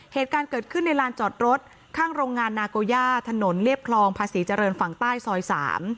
เหตุการณ์เกิดขึ้นในลานจอดรถข้างโรงงานนาโกย่าถนนเรียบคลองภาษีเจริญฝั่งใต้ซอย๓